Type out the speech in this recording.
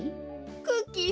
クッキー